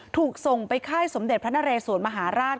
ถูกส่งไปค่ายสมเด็จพระนเรสวนมหาราช